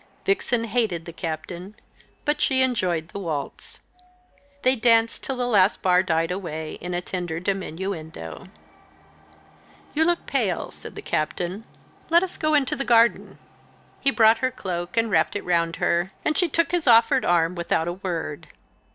Vixen hated the Captain, but she enjoyed the waltz. They danced till the last bar died away in a tender diminuendo. "You look pale," said the Captain, "let us go into the garden." He brought her cloak and wrapped it round her, and she took his offered arm without a word.